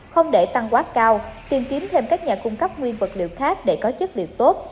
không để tăng quá cao tìm kiếm thêm các nhà cung cấp nguyên vật liệu khác để có chất lượng tốt